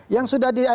yang sudah di